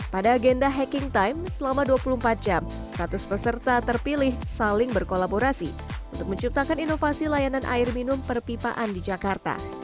pada agenda hacking time selama dua puluh empat jam seratus peserta terpilih saling berkolaborasi untuk menciptakan inovasi layanan air minum perpipaan di jakarta